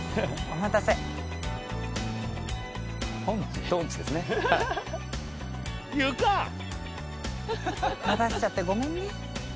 待たせちゃってごめんね。